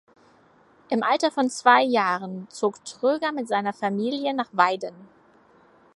Im Alter von zwei Jahren zog Tröger mit seiner Familie nach Weiden.